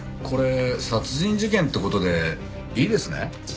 これ殺人事件って事でいいですね？